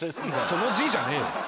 そのＧじゃねえわ。